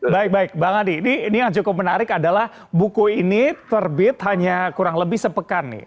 baik baik bang adi ini yang cukup menarik adalah buku ini terbit hanya kurang lebih sepekan nih